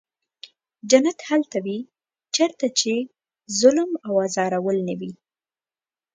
جنت هلته وي چېرته چې ظلم او ازارول نه وي.